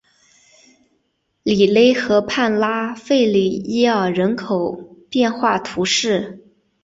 里勒河畔拉费里耶尔人口变化图示